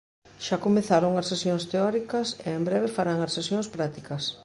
Xa comezaron as sesións teóricas, e en breve farán as sesións prácticas.